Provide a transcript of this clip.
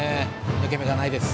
抜け目がないです。